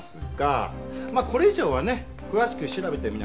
まあこれ以上はね詳しく調べてみないと。